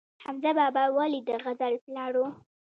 حمزه بابا ولې د غزل پلار و؟